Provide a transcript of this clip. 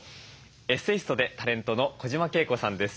エッセイストでタレントの小島慶子さんです。